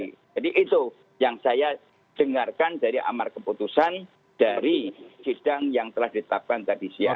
jadi itu yang saya dengarkan dari amar keputusan dari sidang yang telah ditetapkan tadi siang